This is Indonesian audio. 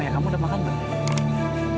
oh ya kamu udah makan belum